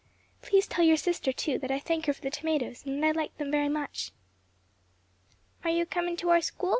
"Please tell your sister, too, that I thank her for the tomatoes and that I liked them very much." "Are you a comin' to our school?